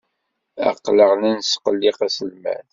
Aql-aɣ la nesqelliq aselmad.